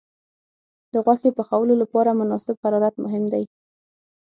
د غوښې پخولو لپاره مناسب حرارت مهم دی.